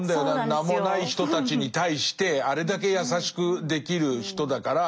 名もない人たちに対してあれだけ優しくできる人だから。